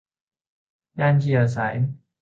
ย่านที่อยู่อาศัย